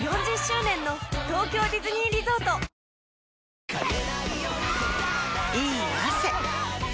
妻、いい汗。